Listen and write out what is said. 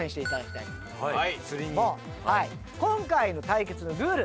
今回の対決のルール